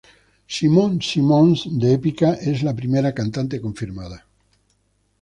Simone Simons de Epica es la primera cantante confirmada.